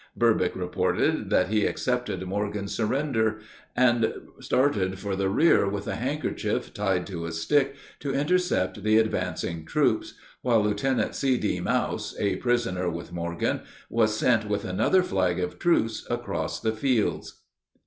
Burbick reported that he accepted Morgan's surrender, and started for the rear with a handkerchief tied to a stick to intercept the advancing troops, while Lieutenant C.D. Maus, a prisoner with Morgan, was sent with another flag of truce across the fields.